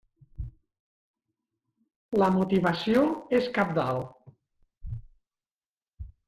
La motivació és cabdal.